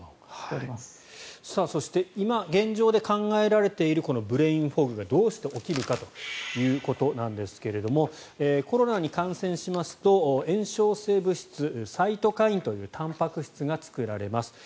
そして今、現状で考えられているブレインフォグがどうして起きるかということですがコロナに感染しますと炎症性物質サイトカインというたんぱく質が作られます。